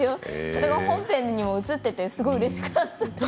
それが本編にも映っていてすごくうれしかった。